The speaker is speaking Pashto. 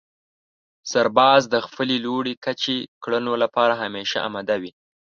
سرباز د خپلې لوړې کچې کړنو لپاره همېشه اماده وي.